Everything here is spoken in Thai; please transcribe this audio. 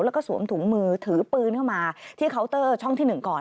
แล้วก็สวมถุงมือถือปืนเข้ามาที่เคาน์เตอร์ช่องที่๑ก่อน